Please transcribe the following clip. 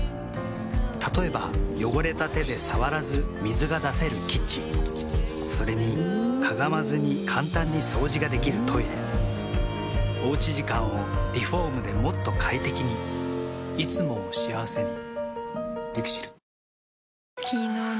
例えば汚れた手で触らず水が出せるキッチンそれにかがまずに簡単に掃除ができるトイレおうち時間をリフォームでもっと快適にいつもを幸せにＬＩＸＩＬ。